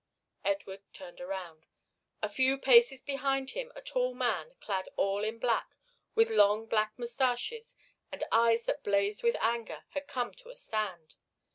Edward turned around. A few paces behind him a tall man, clad all in black, with long black moustaches and eyes that blazed with anger, had come to a stand.